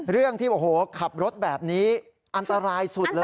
เรื่องที่โอ้โหขับรถแบบนี้อันตรายสุดเลย